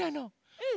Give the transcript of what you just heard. うん。